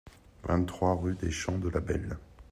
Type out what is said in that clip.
vingt-trois rue des Champs de la Belle